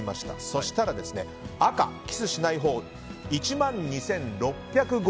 そうしたら赤キスしないほう１万２６５１票。